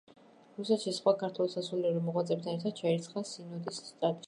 რუსეთში სხვა ქართველ სასულიერო მოღვაწეებთან ერთად ჩაირიცხა სინოდის შტატში.